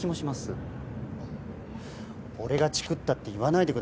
俺がチクったって言わないでくださいよ。